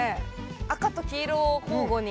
赤と黄色を交互に。